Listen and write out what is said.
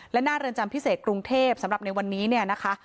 และหน้าเรือนจำพิเศษกรุงเทพสำหรับในวันนี้เนี่ยนะคะ